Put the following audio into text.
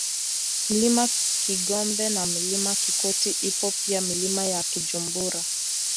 Mlima Kigombe na Mlima Kikoti ipo pia Milima ya Kijumbura